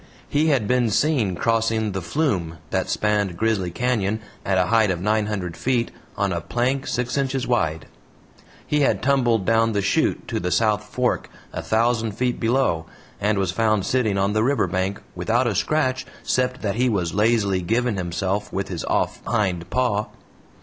He had been seen crossing the "flume" that spanned Grizzly Canyon at a height of nine hundred feet, on a plank six inches wide. He had tumbled down the "shoot" to the South Fork, a thousand feet below, and was found sitting on the riverbank "without a scratch, 'cept that he was lazily givin' himself with his off hind paw."